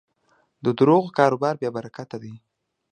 د دروغو کاروبار بېبرکته دی.